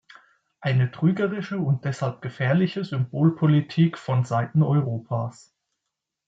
Eine trügerische und deshalb gefährliche Symbolpolitik von Seiten Europas?